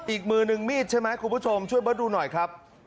อีกมือนึงมีดใช่ไหมคุณผู้ชมช่วยเบิร์ตดูหน่อยครับ